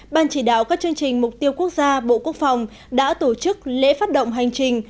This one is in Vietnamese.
ban chỉ đạo các chương trình mục tiêu quốc gia bộ quốc phòng đã tổ chức lễ phát động hành trình